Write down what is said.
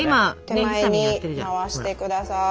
手前に回してください。